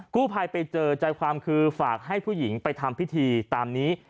กู้ภัยไปเจอใจความคือฝากให้ผู้หญิงไปทำพิธีตามนี้